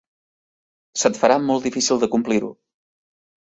Se't farà molt difícil de complir-ho.